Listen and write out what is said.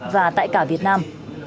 và tại cả việt nam